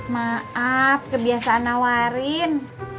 maaf kebiasaan nawarin